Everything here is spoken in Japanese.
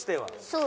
そう。